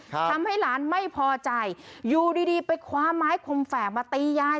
ทำให้หลานไม่พอใจอยู่ดีดีไปคว้าไม้คมแฝกมาตียาย